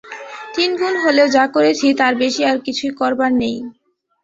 তিনগুণ হলেও, যা করেছি, তার বেশি আর কিছুই করবার নেই।